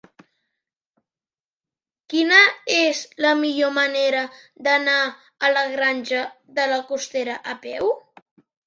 Quina és la millor manera d'anar a la Granja de la Costera a peu?